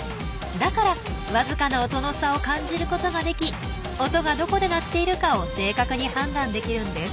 だから僅かな音の差を感じることができ音がどこで鳴っているかを正確に判断できるんです。